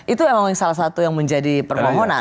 itu memang salah satu yang menjadi permohonan